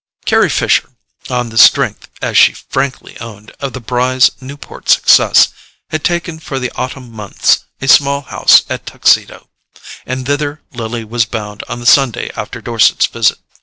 Carry Fisher, on the strength, as she frankly owned, of the Brys' Newport success, had taken for the autumn months a small house at Tuxedo; and thither Lily was bound on the Sunday after Dorset's visit.